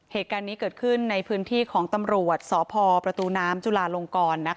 เหตุการณ์นี้เกิดขึ้นในพื้นที่ของตำรวจสพประตูน้ำจุลาลงกร